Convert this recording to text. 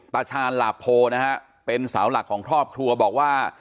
ตาชาญหลาโพนะฮะเป็นสาวหลักของครอบครัวบอกว่า